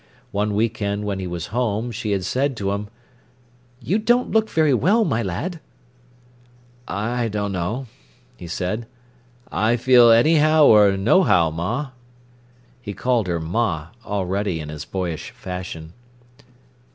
One week end when he was home she had said to him: "You don't look very well, my lad." "I dunno," he said. "I feel anyhow or nohow, ma." He called her "ma" already in his boyish fashion.